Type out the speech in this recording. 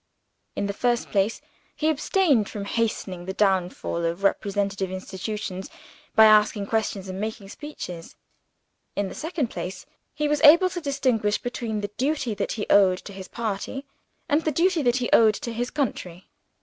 In the first place he abstained from hastening the downfall of representative institutions by asking questions and making speeches. In the second place, he was able to distinguish between the duty that he owed to his party, and the duty that he owed to his country.